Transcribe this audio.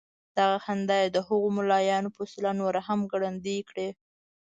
دغه خندا یې د هغو ملايانو په وسيله نوره هم ګړندۍ کړې.